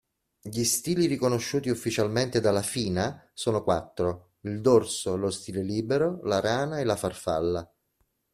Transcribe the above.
Gli stili riconosciuti ufficialmente dalla FINA sono quattro: il dorso, lo stile libero, la rana e la farfalla.